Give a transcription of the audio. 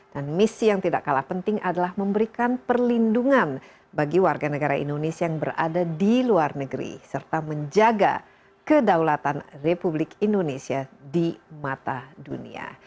dan misi yang tidak kalah penting adalah memberikan perlindungan bagi warga negara indonesia yang berada di luar negeri serta menjaga kedaulatan republik indonesia di mata dunia